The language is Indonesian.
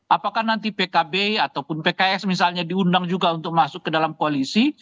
apakah nanti pkb ataupun pks misalnya diundang juga untuk masuk ke dalam koalisi